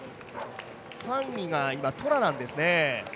３位がトラなんですね。